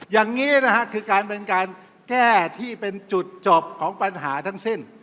อย่างนี้นะฮะคือการเป็นการแก้ที่เป็นจุดจบของปัญหาทั้งสิ้น